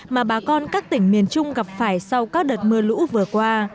mà bà con các tỉnh miền trung gặp phải sau các đợt mưa lũ vừa qua